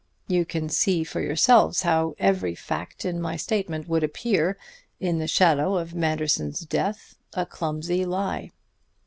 You can see for yourselves how every fact in my statement would appear, in the shadow of Manderson's death, a clumsy lie.